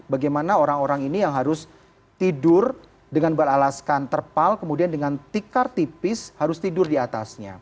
bagaimana orang orang ini yang harus tidur dengan beralaskan terpal kemudian dengan tikar tipis harus tidur di atasnya